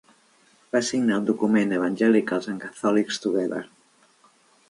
Va signar el document Evangelicals and Catholics Together.